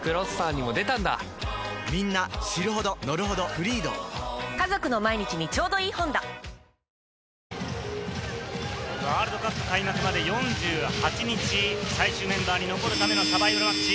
ＢＥＴＨＥＣＨＡＮＧＥ三井不動産ワールドカップ開幕まで４８日、最終メンバーに残るためのサバイバルマッチ。